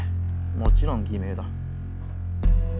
もちろん偽名だ。